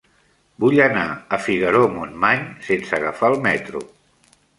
Vull anar a Figaró-Montmany sense agafar el metro.